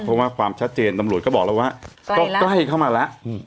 เพราะว่าความชัดเจนตำรวจก็บอกแล้วว่าก็ใกล้เข้ามาแล้ว